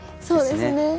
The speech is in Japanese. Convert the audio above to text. そうですね。